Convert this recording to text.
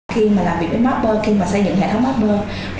khi mà làm việc với mapper khi mà xây dựng hệ thống apper